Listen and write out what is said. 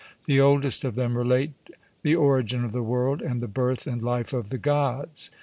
The oldest of them relate the origin of the world, and the birth and life of the Gods.